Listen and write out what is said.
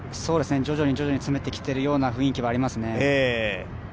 徐々に詰めてきているような雰囲気もありますね。